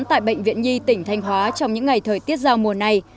tại bệnh viện nhi tỉnh thanh hóa trong những ngày thời tiết giao mùa này